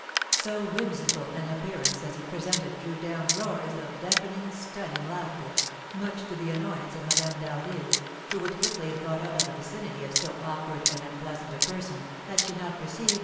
So whimsical an appearance as he presented drew down roars of deafening, stunning laughter; much to the annoyance of Madame d'Harville, who would quickly have got out of the vicinity of so awkward and unpleasant a person had she not perceived M.